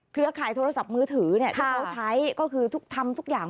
เครือข่ายโทรศัพท์มือถือที่เขาใช้ก็คือทำทุกอย่าง